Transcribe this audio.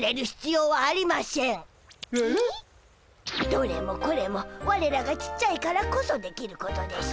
どれもこれもわれらがちっちゃいからこそできることでしゅ。